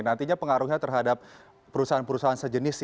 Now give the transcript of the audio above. nantinya pengaruhnya terhadap perusahaan perusahaan sejenis di dalam